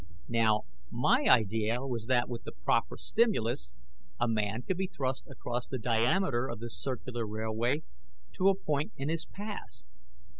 "Now, my idea was that with the proper stimulus a man could be thrust across the diameter of this circular railway to a point in his past.